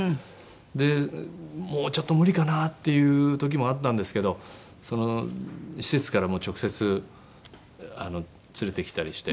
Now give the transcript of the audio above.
でもうちょっと無理かなっていう時もあったんですけど施設からも直接連れてきたりして。